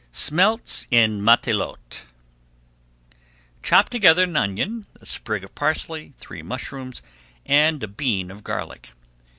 SMELTS IN MATELOTE Chop together an onion, a sprig of parsley, three mushrooms, and a bean of garlic.